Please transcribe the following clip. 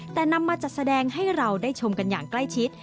แต่นำมาจัดแสดงให้เราได้ชมกันอย่างใกล้ชิด